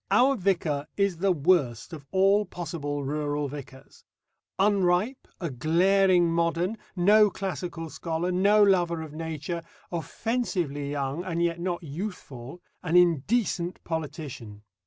Our vicar is the worst of all possible rural vicars unripe, a glaring modern, no classical scholar, no lover of nature, offensively young and yet not youthful, an indecent politician.